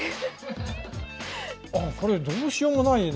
これどうしようもないね